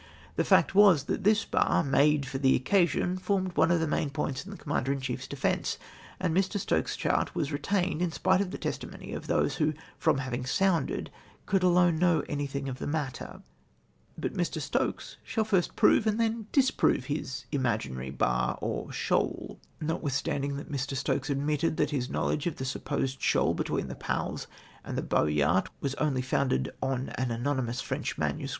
The fact was, that this bar, made for the occasion, formed one of the main points in the Commander in chiefs defence, and ]\ir. Stokes's chart was retained in spite of the testimony of those wlio, fi'om having somided, coidd alone know anything of the matter. But Mr. Stokes shall first jjrove and then disprove Ins imaginary bar or shoal. Notwithstandino that Mr. Stokes admitted that his o knowledge of the supposed shoal between the Palles and the Boyart was only founded on an anonymous French MS.